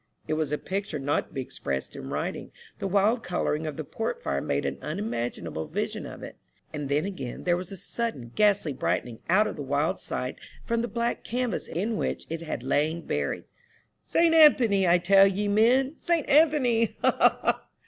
It was a picture not to be expressed in writing ; the wild colouring of the port fire made an unimaginable vision of it ; and then again there was the sudden ghastly brightening out of the wild sight from the black canvas in which it had lain buried. *' Saint Anthony, I tell ye, men ! Saint Anthony, ha, ha, ha